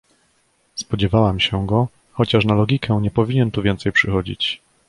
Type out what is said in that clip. Spodziewałam się go, chociaż na logikę, nie powinien tu więcej przychodzić.